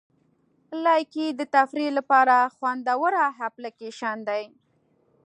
لایکي د تفریح لپاره خوندوره اپلیکیشن دی.